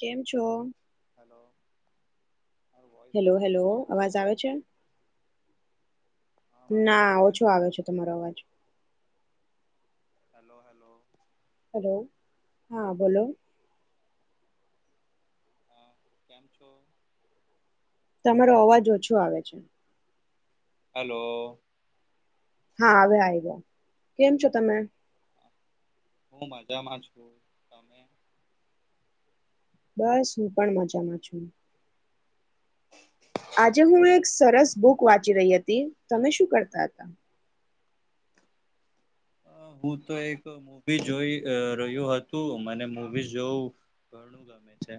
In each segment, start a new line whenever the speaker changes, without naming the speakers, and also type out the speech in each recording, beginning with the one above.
કેમ છો
[inaudible] voice
hello hello
clear
અવાજ આવે છે
હા મારું વોઇસ
ના
ક્લિયર
ઓછો આવે છે તમારો અવાજ
હેલો હેલો
હલો હા બોલો
અ કેમ છો
તમારો અવાજ ઓછો આવે છે.
હેલો
હા હવે આવી ગયા કેમ છો તમે
હું મજામાં છું તમે
બસ હું પણ મજામાં છું.
[inaudible]
આજે હું એક સરસ બુક વાંચી રહી હતી‌ તમે શું કરતા હતા.
હું તો એક મુવી જોઈ અ રહ્યું હતું મને મવી જોવું ઘણું ગમે છે.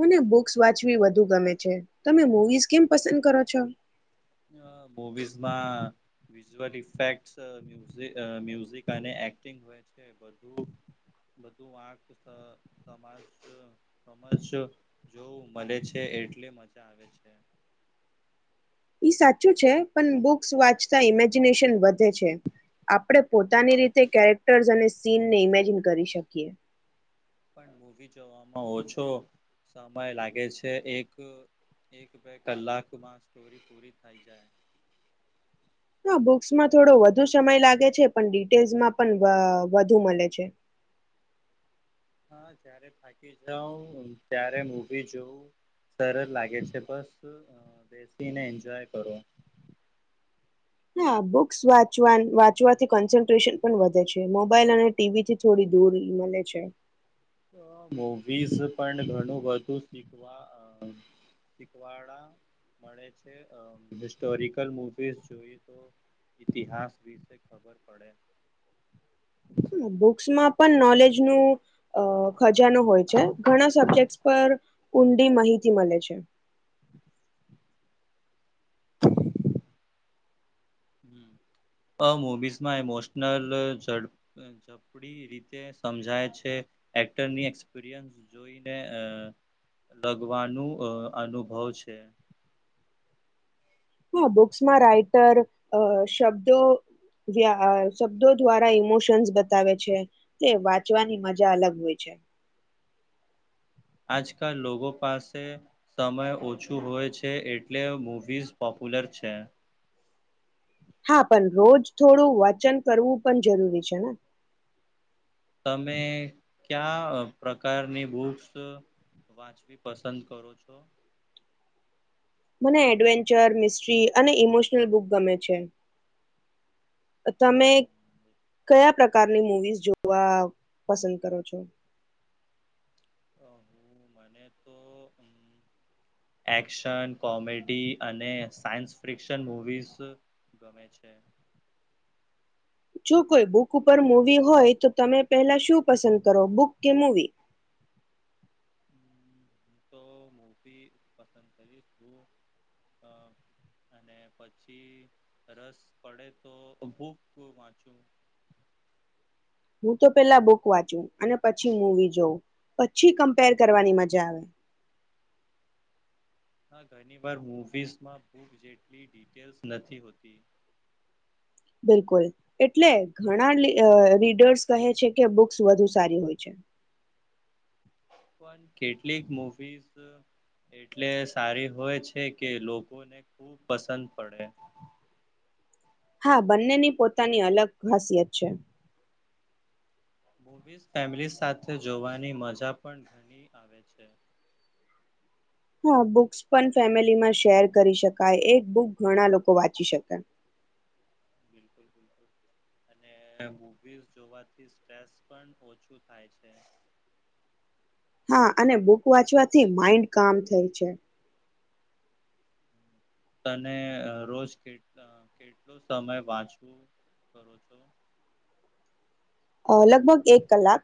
મને બુક્સ વાંચવી વધુ ગમે છે તમે મુવીઝ કેમ પસંદ કરો છો.
મુવીઝમાં વિઝુઅલ ઇફેક્ટ અ મ્યુઝિક અને એક્ટિંગ હોય છે જો મલે છે એટલે મજા આવે છે.
ઈ સાચું છે પન બુક્સ વાંચતા ઇમેજિનેશન વધે છે આપણે પોતાની રીતે કેરેક્ટર્સ અને સીનને ઇમેજિન કરી શકીએ.
પણ મુવી જોવામાં ઓછો સમય લાગે છે એક એક બે કલાકમાં સ્ટોરી પૂરી થઈ જાય.
હા બુક્સમાં થોડો વધુ સમય લાગે છે પણ ડિટેલ્સમાં પણ વ વધુ મલે છે.
જ થાકી જા ત્યારે મુવી જોવું સરળ લાગે છે બસ બેસીને એન્જોય કરો
હા બુક્સ વાચવા વાંચવાથી કોન્સન્ટ્રેશન પણ વધે છે મોબાઈલ અને ટીવીથી થોડી દૂર મલે છે.
મુવીઝ પણ ઘણું બધું શીખવા શીખવાળ મળે છે હિસ્ટોરિકલ મુવીઝ જોઈએ તો ઈતિહાસ વિશે ખબર પડે
બુક્સમાં પન નોલેજનુ અ ખજાનો હોય છે ઘણા સબ્જેક્ટ પર ઊંડી માહિતી મલે છે.
અ મુવીઝમાં ઇમોશનલ ઝ ઝપડી રીતે સમજાય છે એક્ટરની એક્સપિરિયન્સ જોઈને અ લગવાનું અ અનુભવ છે.
હા બુક્સમાં રાઈટર અ શબ્દો જયા આ શબ્દો દ્વારા ઈમોશન્સ બતાવે છે તે વાંચવાની મજા અલગ હોય છે.
આજકાલ લોકો પાસે સમય ઓછું હોય છે એટલે મૂવીઝ પોપ્યુલર છે.
હા પન રોજ થોડું વચન કરવું પન જરૂરી છે ને
તમે કયા પ્રકારની બુક્સ વાંચવી પસંદ કરો છો.
મને એડવેન્ચર મિસ્ટ્રી અને ઇમોશનલ બુક ગમે છે. તમે કયા પ્રકારની મૂવીઝ જોવા પસંદ કરો છો.
મને તો એક્શન કોમેડી અને સાયન્સ ફિકશન મુવીઝ ગમે છે.
જો કોઈ બુક ઉપર મૂવી હોય તો તમે પહેલા શું પસંદ કરો બુક કે મૂવી.
હમ, હું તો મુવી પસંદ કરીશું અને પછી રસ પડે તો બુક વાંચું
હું તો પેલા બુક વાંચુ અને પછી મૂવી જોઉ પછી કમ્પેર કરવાની મજા આવે
હ ઘણી વાર મૂવીઝમાં બુક જેટલી ડિટેલ્સ નથી હોતી.
બિલકુલ એટલે ઘણા લી અ રીડર્સ કહે છે કે બુક્સ વધુ સારી હોય છે.
પણ કેટલીક મૂવીઝ એટલે સારી હોય છે કે લોકોને ખૂબ પસંદ પડે
હા બંનેની પોતાની અલગ ખાસિયત છે.
મુવીઝ ફેમિલી સાથે જોવાની મજા પણ ઘણી આવે છે.
હા બુક્સ પણ ફેમિલીમાં શેર કરી શકાય એક બુક ઘણા લોકો વાંચી શકે
[inaudible] સ્ટ્રેસ પણ ઓછું થાય છે.
હા અને બુક વાંચવાથી માઈન્ડ કામ થાય છે.
તને રોજ કે કેટલો સમય વાંચવું [unintelligible]
અ લગભગ એક કલાક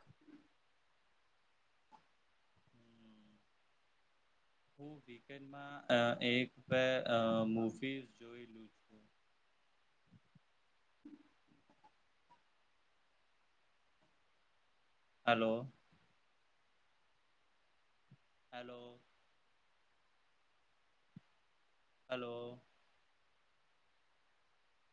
હું વીનકેનડમાં એક બે [unintelligible] હાલો હેલો હેલો.